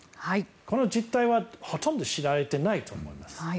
この実態は、ほとんど知られてないと思います。